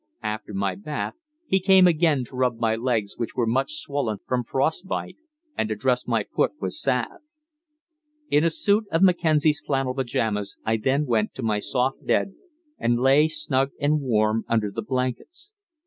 After my bath, he again came up to rub my legs, which were much swollen from frostbite, and to dress my foot with salve. In a suit of Mackenzie's flannel pajamas I then went to my soft bed, and lay snug and warm under the blankets.